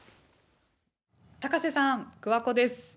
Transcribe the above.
高瀬さん、桑子です。